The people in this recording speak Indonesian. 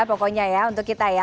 pokoknya ya untuk kita ya